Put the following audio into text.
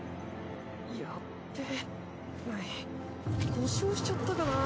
ヤッベえ故障しちゃったかな。